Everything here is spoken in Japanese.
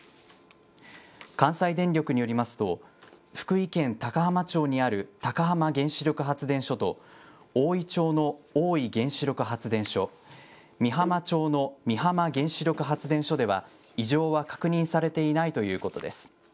関西電力によりますと、福井県高浜町にある高浜原子力発電所とおおい町の大飯原子力発電所、美浜町の美浜原子力発電所では、異常は確認されていないということです。